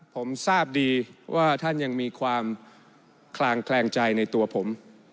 ผมทราบดีว่าท่านยังมีความคลางแคลงใจในตัวผม